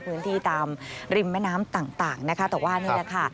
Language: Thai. พื้นที่ตามริมแม่น้ำต่างนะคะแต่ว่านี่แหละค่ะ